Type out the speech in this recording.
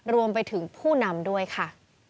รวมไปถึงผู้นำด้วยค่ะ